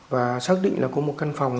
và xác định là có một căn phòng